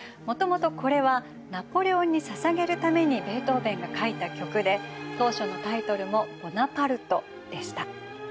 もともとこれはナポレオンにささげるためにベートーベンが書いた曲で当初のタイトルも「ボナパルト」でした。